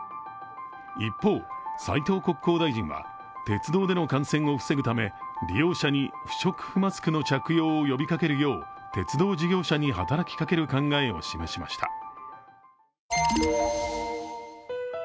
一方、斉藤国交大臣は鉄道での感染を防ぐため利用者に不織布マスクの着用を呼びかけるよう鉄道事業者に働きかける考えを示しました。